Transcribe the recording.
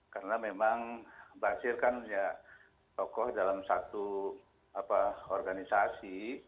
karena memang basir kan punya tokoh dalam satu organisasi